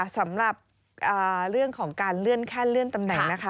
สำหรับเรื่องของการเลื่อนขั้นเลื่อนตำแหน่งนะคะ